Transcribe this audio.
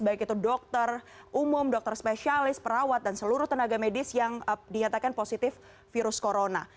baik itu dokter umum dokter spesialis perawat dan seluruh tenaga medis yang dinyatakan positif virus corona